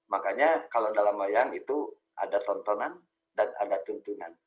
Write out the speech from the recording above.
makanya kalau dalam wayang itu ada tontonan dan ada tuntunan